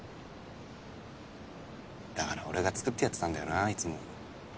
だから俺が作ってやってたんだよないつも。